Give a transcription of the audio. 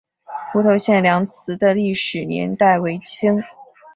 湖头贤良祠的历史年代为清。